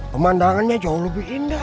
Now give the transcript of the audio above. pemandangannya jauh lebih indah